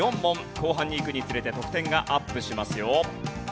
後半にいくにつれて得点がアップしますよ。